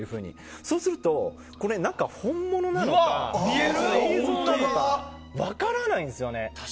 そうすると本物なのか映像なのか分からないんですよね。